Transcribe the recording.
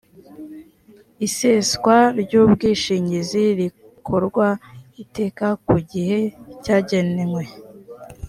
iseswa ry’ubwishingizi rikorwa iteka ku gihe cyagenwe